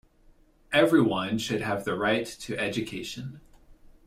Everyone should have the right to education.